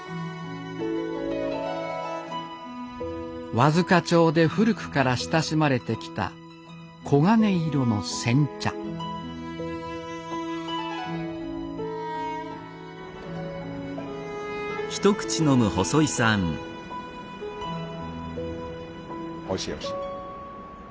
和束町で古くから親しまれてきた黄金色の煎茶おいしいおいしい。